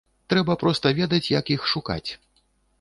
Трэба проста ведаць, як іх шукаць.